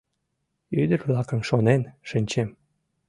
Ӱдыр-влакым шонен, шинчем.